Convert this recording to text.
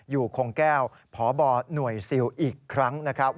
อยู่คงแก้วพบหน่วยซิลอีกครั้งนะครับ